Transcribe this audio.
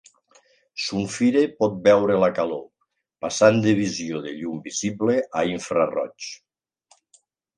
Sunfire pot veure la calor, passant de visió de llum visible a infraroig.